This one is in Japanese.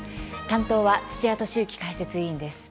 担当は土屋敏之解説委員です。